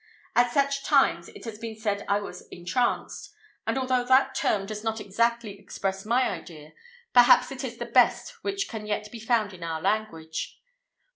At such times it has been said I was "entranced;" and although that term does not exactly express my idea, perhaps it is the best which can yet be found in our language.